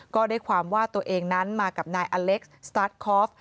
ก็ได้ความว่าตัวเองนั้นมากับนายอเล็กซ์สตาร์ทคอฟ